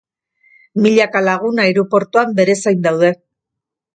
Milaka lagun aireportuan bere zain daude.